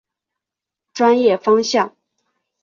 专业方向。